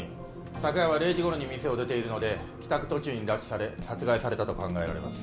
昨夜は０時頃に店を出ているので帰宅途中に拉致され殺害されたと考えられます